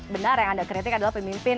benar yang anda kritik adalah pemimpin